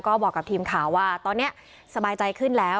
ก็บอกกับทีมข่าวว่าตอนนี้สบายใจขึ้นแล้ว